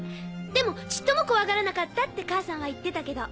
でもちっとも怖がらなかったって母さんは言ってたけど。